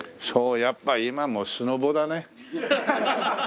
そうやっぱ今もうスノボだね。